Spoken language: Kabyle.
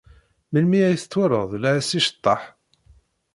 Melmi ay t-twalad la as-iceḍḍeḥ?